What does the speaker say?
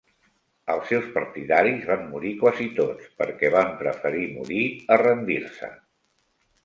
Els seus partidaris van morir quasi tots perquè van preferir morir a rendir-se.